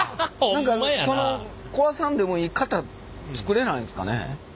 何かその壊さんでもいい型作れないんですかね？